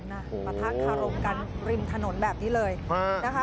มาพักทางโครงการริมถนนแบบนี้เลยนะคะ